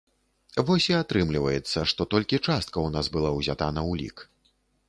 Вось і атрымліваецца, што толькі частка ў нас была ўзята на ўлік.